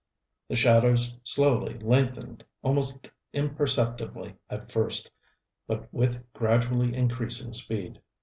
The shadows slowly lengthened almost imperceptibly at first, but with gradually increasing speed.